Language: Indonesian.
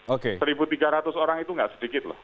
satu tiga ratus orang itu nggak sedikit loh